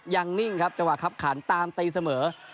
นิ่งครับจังหวะคับขันตามตีเสมอ